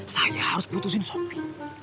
saya harus putusin sopi